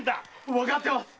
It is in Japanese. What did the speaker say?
わかってます！